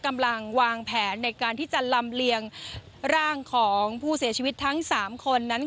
กำลังวางแผนในการที่จะลำเลียงร่างของผู้เสียชีวิตทั้ง๓คนนั้น